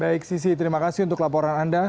baik sisi terima kasih untuk laporan anda